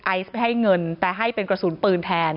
ไอซ์ให้เงินแต่ให้เป็นกระสุนปืนแทน